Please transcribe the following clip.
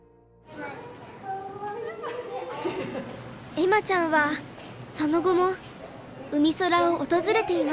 恵麻ちゃんはその後もうみそらを訪れていました。